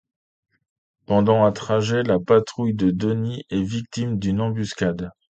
Pendant un trajet, la patrouille de Denis est victime d'une embuscade.